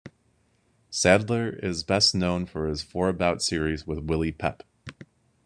Saddler is best known for his four-bout series with Willie Pep.